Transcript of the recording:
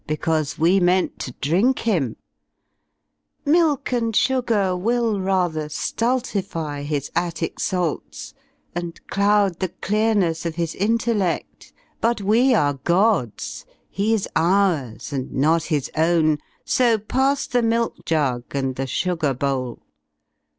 Because we meant to drink him; milk and sugar Will rather flultify his Attic salts And cloud the clearness of his intellect — But we are gods, he^s ours and not his own. So pass the milk jug and the sugar bowl!